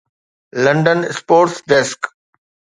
London sports desk